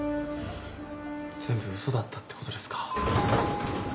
全部嘘だったってことですか？